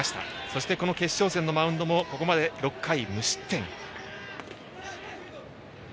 そしてこの決勝戦のマウンドもここまで６回無失点。